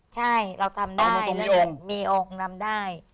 ใช่เราทำได้มีออกนำได้